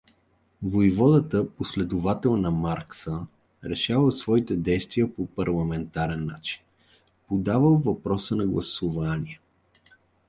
Войводата, последовател на Маркса, решавал своите действия по парламентарен начин, подавал въпроса на гласувание.